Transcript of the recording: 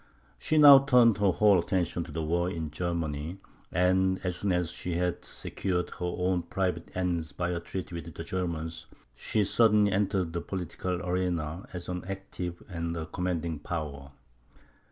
She now turned her whole attention to the war in Germany; and, as soon as she had secured her own private ends by a treaty with the Germans, she suddenly entered the political arena as an active and a commanding power.